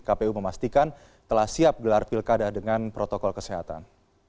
kpu memastikan telah siap gelar pilkada dengan protokol kesehatan